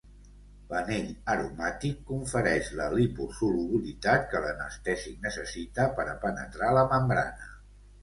L'anell aromàtic confereix la liposolubilitat que l'anestèsic necessita per a penetrar la membrana.